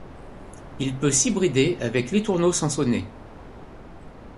Il peut s'hybrider avec l'étourneau sansonnet.